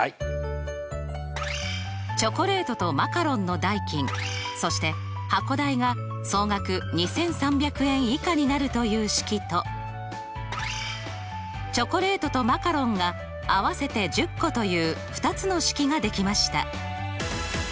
チョコレートとマカロンの代金そして箱代が総額２３００円以下になるという式とチョコレートとマカロンが合わせて１０個という２つの式ができました。